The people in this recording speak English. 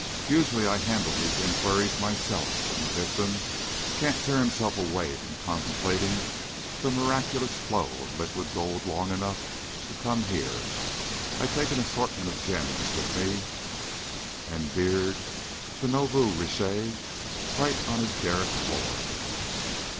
Usually I handle these inquiries myself when the victim can't tear himself away from contemplating the miraculous flow of liquid gold long enough to come here. I take an assortment of gems with me and beard the nouveau riche right on his derrick floor.